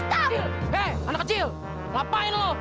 hei anak kecil ngapain lo